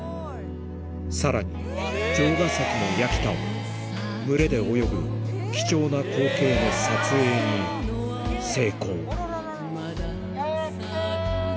さらに城ヶ崎の矢北は群れで泳ぐ貴重な光景の撮影に成功